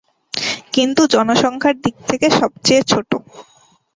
কিন্তু জনসংখ্যার দিক থেকে সবচেয়ে ছোট।